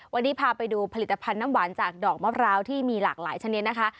วันนี้พาไปดูผลิตภัณฑ์น้ำหวานจากดอกมะพร้าวที่มีหลากหลายชนิดนะคะ